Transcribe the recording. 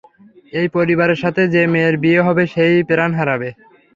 এই পরিবারের সাথে যে মেয়ের বিয়ে হবে সেই প্রাণ হারাবে।